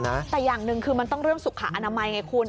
แต่อย่างหนึ่งคือมันต้องเรื่องสุขอนามัยไงคุณ